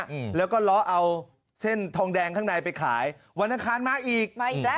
อืมแล้วก็ล้อเอาเส้นทองแดงข้างในไปขายวันอังคารมาอีกมาอีกแล้ว